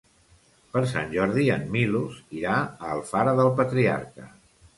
Per Sant Jordi en Milos irà a Alfara del Patriarca.